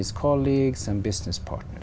nhưng nếu chúng ta thêm